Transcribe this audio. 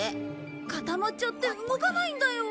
固まっちゃって動かないんだよ。